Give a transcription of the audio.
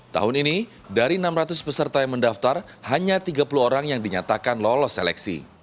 tahun ini dari enam ratus peserta yang mendaftar hanya tiga puluh orang yang dinyatakan lolos seleksi